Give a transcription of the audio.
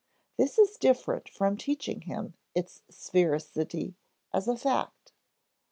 This is different from teaching him its sphericity as a fact.